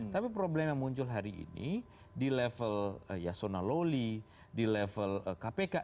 tapi problem yang muncul hari ini di level yasona loli di level kpk